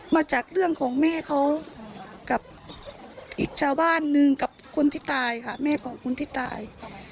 มาจากเรื่องของแม่เขากับอีกชาวบ้านนึงกับคนที่ตายค่ะแม่ของคนที่ตาย